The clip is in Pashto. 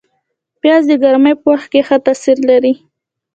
پیاز د ګرمۍ په وخت ښه تاثیر لري